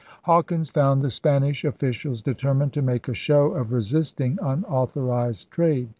Hawkins found the Spanish oflBcials determined to make a show of resisting unauthorized trade.